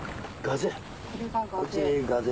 ガゼ。